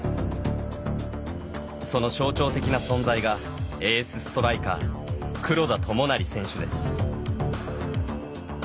その象徴的な存在がエースストライカー黒田智成選手です。